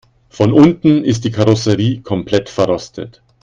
Von unten ist die Karosserie komplett verrostet.